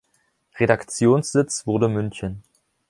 Redaktionssitz wurde München.